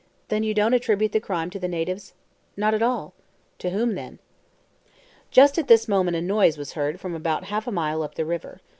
"Then you don't attribute the crime to the natives?" "Not at all." "To whom then?" Just at this moment a noise was heard from about half a mile up the river.